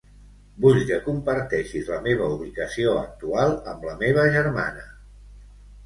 Vull que comparteixis la meva ubicació actual amb la meva germana.